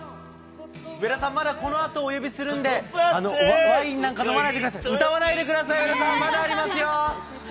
上田さん、まだこのあとお呼びするんで、ワインなんか飲まないでください、歌わないでください、まだありますよ。